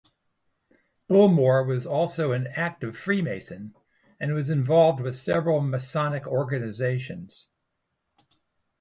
Bullmore was also an active freemason, and was involved with several masonic organizations.